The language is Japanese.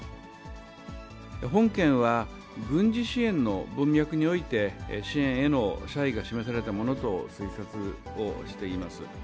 本件は、軍事支援の文脈において、支援への謝意が示されたものと推察をしています。